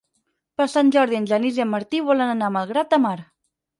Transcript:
Per Sant Jordi en Genís i en Martí volen anar a Malgrat de Mar.